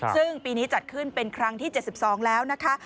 ซึ่งปีนี้จัดขึ้นเป็นครั้งที่๗๒แล้วนะคะ